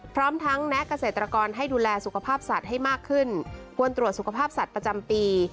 พร้อมทั้งแนะเกษตรกรให้ดูแลสุขภาพสัตว์ให้มากขึ้นควรตรวจสุขภาพสัตว์ประจำปี